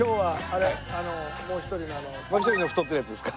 もう一人の太ってるヤツですか？